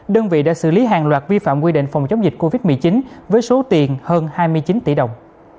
đơn vị đã xử lý hàng loạt vi phạm quy định phòng chống dịch covid một mươi chín với số tiền hơn hai mươi chín tỷ đồng